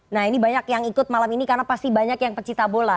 nah ini banyak yang ikut malam ini karena pasti banyak yang pecinta bola